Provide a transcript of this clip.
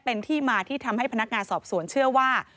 เป็นที่มาที่ทำให้พนักงานสอบสวนเชื่อว่า